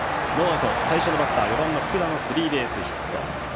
最初のバッター４番の福田のスリーベースヒット。